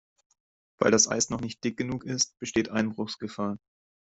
Weil das Eis noch nicht dick genug ist, besteht Einbruchsgefahr.